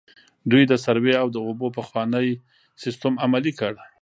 دوی د سروې او د اوبو پخوانی سیستم عملي کړ.